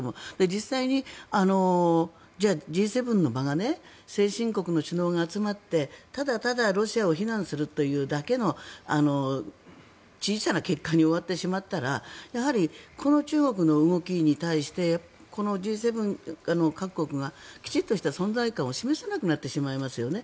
実際にじゃあ、Ｇ７の場が先進国の首脳が集まってただただロシアを非難するというだけの小さな結果に終わってしまったらやはりこの中国の動きに対してこのＧ７各国がきちんとした存在感を示せなくなってしまいますよね。